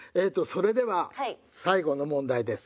それでは最後の問題です。